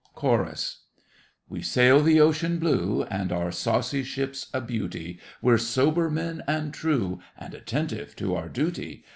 CHORUS We sail the ocean blue, And our saucy ship's a beauty; We're sober men and true, And attentive to our duty.